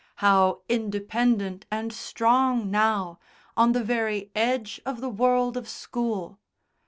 How independent and strong now, on the very edge of the world of school!